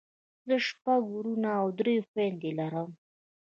زه شپږ وروڼه او درې خويندې لرم.